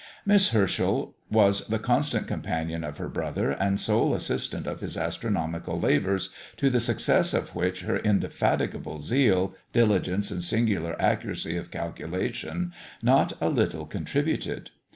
Miss Herschel was the constant companion of her brother, and sole assistant of his astronomical labours, to the success of which her indefatigable zeal, diligence, and singular accuracy of calculation, not a little contributed.